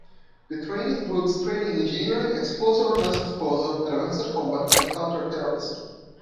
The training includes training in engineering, explosive ordnance disposal, advanced combat and counter-terrorism.